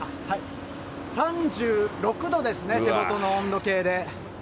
３６度ですね、手元の温度計で。